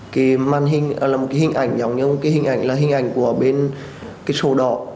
cái màn hình là một cái hình ảnh giống như một cái hình ảnh là hình ảnh của bên cái sổ đỏ